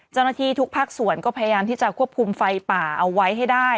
เจ้าหน้าที่ทุกภาคส่วนก็พยายามที่จะควบคุมไฟป่าเอาไว้ให้ได้